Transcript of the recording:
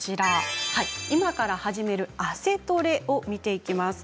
今から始める汗トレを見ていきます。